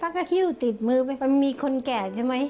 ก็คิ้วติดมือมีคนแก่ใช่ไหม